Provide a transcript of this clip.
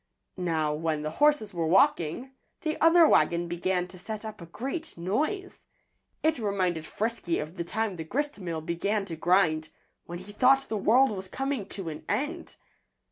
Now, when the horses were walking, the other wagon began to set up a great noise. It reminded Frisky of the time the gristmill began to grind, when he thought the world was coming to an end.